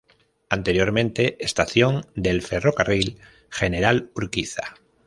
Anteriormente estación del Ferrocarril General Urquiza.